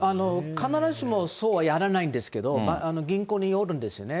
必ずしも、そうはやらないんですけど、銀行によるんですね。